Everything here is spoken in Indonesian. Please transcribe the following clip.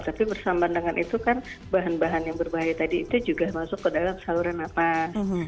tapi bersama dengan itu kan bahan bahan yang berbahaya tadi itu juga masuk ke dalam saluran nafas